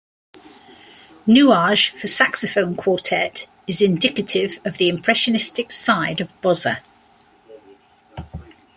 "Nuages" for Saxophone Quartet is indicative of the Impressionistic side of Bozza.